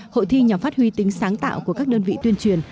hội thi nhằm phát huy tính sáng tạo của các đơn vị tuyên truyền